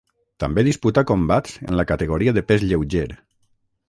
També disputà combats en la categoria de pes lleuger.